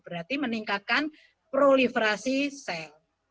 berarti meningkatkan proliferasi sel